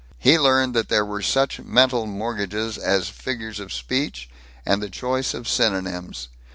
He learned that there were such mental mortgages as figures of speech and the choice of synonyms.